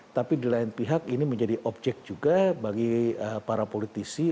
tapi di lain pihak ini menjadi objek juga bagi para politisi